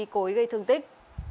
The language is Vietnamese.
cối gây thương tích